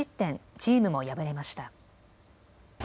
チームも敗れました。